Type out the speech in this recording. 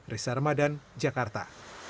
risa ramadan jakarta